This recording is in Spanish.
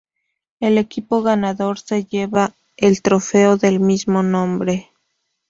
El equipo ganador se lleva el trofeo del mismo nombre.